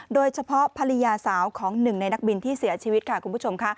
โดยเฉพาะภรรยาสาวของหนึ่งในนักบินที่เสียชีวิตค่ะคุณผู้ชมค่ะ